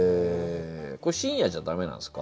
これ「深夜」じゃ駄目なんですか？